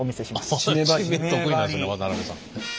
地名得意なんですね渡辺さん。